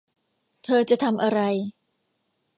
เธอจะทำอะไร